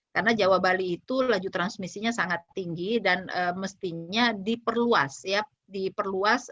karena jawa bali itu laju transmisinya sangat tinggi dan mestinya diperluas ya